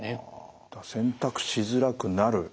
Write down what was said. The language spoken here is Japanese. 選択しづらくなる。